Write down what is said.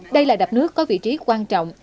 đây là đập nước có vị trí quan trọng